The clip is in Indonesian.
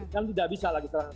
kan tidak bisa lagi